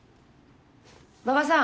馬場さん。